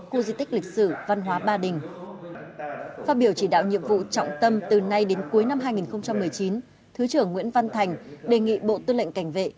cô di tích lịch sử văn hóa ba đình phát biểu chỉ đạo nhiệm vụ trọng tâm từ nay đến cuối năm hai nghìn một mươi chín thứ trưởng nguyễn văn thành đề nghị bộ tư lệnh cảnh vệ